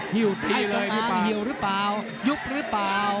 หิวตีเลยพี่ป่าหิวหรือเปล่ายุบหรือเปล่า